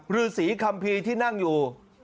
ฤษีคัมภีร์ที่นั่งอยู่